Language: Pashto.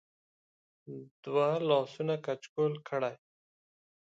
د وه لاسونه کچکول کړی